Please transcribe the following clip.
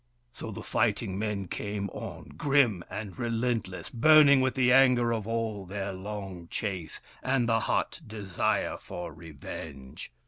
So the fighting men came on, grim and relent less, burning with the anger of all their long chase and the hot desire for revenge.